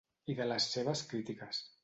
I de les seves crítiques.